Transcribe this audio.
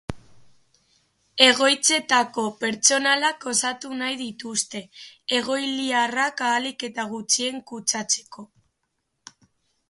Egoitzetako pertsonalak osatu nahi dituzte, egoiliarrak ahalik eta gutxien kutsatzeko.